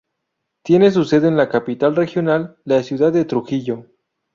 Tiene su sede en la capital regional, la ciudad de Trujillo.